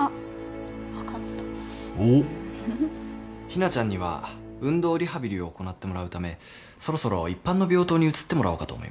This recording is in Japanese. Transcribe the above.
日菜ちゃんには運動リハビリを行ってもらうためそろそろ一般の病棟に移ってもらおうかと思います。